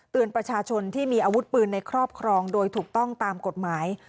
ประชาชนที่มีอาวุธปืนในครอบครองโดยถูกต้องตามกฎหมาย